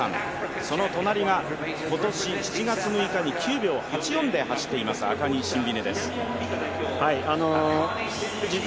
その隣が今年７月６日に９秒８４で走っています、アカニ・シンビネ。